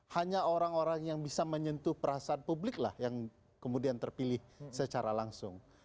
hanya orang orang yang bisa menyentuh perasaan publik lah yang kemudian terpilih secara langsung